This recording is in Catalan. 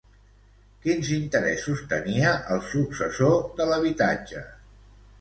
Quins interessos tenia el successor de l'habitatge?